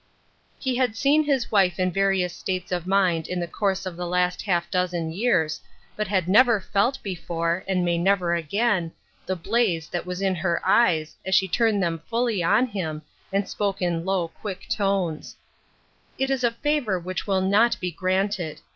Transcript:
He had seen his wife in various states of mind in the course of the last half dozen years, but had never felt before, and may never again, the blaze that was in her eyes as she turned them fully on him, and spoke in low, quick tones :—" It is a favor which will not be granted.